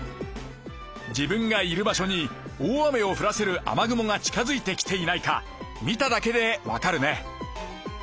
自分がいる場所に大雨を降らせる雨雲が近づいてきていないか見ただけで分かるね。